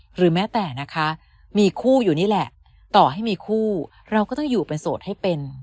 หรือแม้แต่นะคะมีคู่อยู่นี่แหละต่อให้มีคู่เราก็ต้องอยู่เป็นโสดให้เป็น